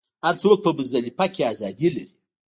هر څوک په مزدلفه کې ازادي لري.